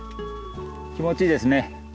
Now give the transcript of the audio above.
気持ちいいですね。